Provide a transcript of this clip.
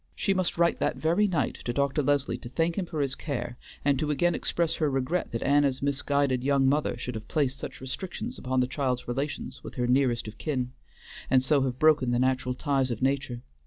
She must write that very night to Dr. Leslie to thank him for his care, and to again express her regret that Anna's misguided young mother should have placed such restrictions upon the child's relations with her nearest of kin, and so have broken the natural ties of nature.